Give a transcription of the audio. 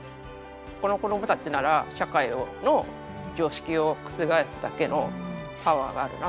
この子どもたちなら社会の常識を覆すだけのパワーがあるな。